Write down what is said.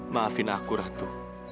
maafin aku ratu